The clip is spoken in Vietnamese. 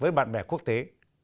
với bạn bè quốc tế